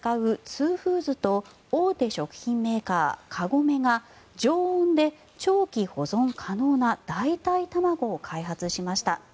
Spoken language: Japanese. ２ｆｏｏｄｓと大手食品メーカー、カゴメが常温で長期保存可能な代替卵を開発しました。